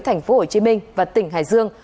tp hcm và tỉnh hải dương